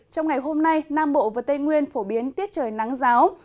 trong ngày hôm nay nam bộ và tây nguyên phổ biến tiết trời nắng giáo